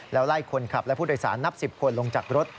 แล้วไล่คนขับและผู้โดยสารนับ๑๐คนลงจากรถ